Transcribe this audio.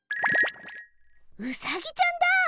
ウサギちゃんだ！